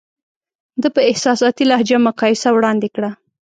ده په احساساتي لهجه مقایسه وړاندې کړه.